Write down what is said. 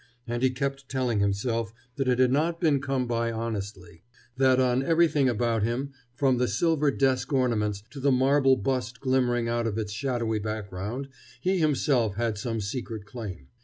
And he kept telling himself that it had not been come by honestly, that on everything about him, from the silver desk ornaments to the marble bust glimmering out of its shadowy background, he himself had some secret claim.